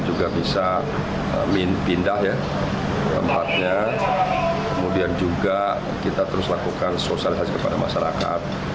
juga bisa pindah ya tempatnya kemudian juga kita terus lakukan sosialisasi kepada masyarakat